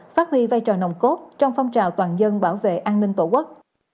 phát huy vai trò nồng cốt trong phong trào toàn dân bảo vệ an ninh tổ quốc